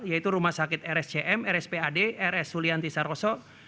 yaitu rumah sakit rscm rspad rs sulianti saroso